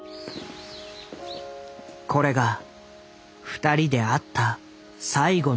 これが２人で会った最後の時となった。